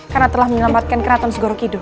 karena telah menyelamatkan keratuan segoro kiduh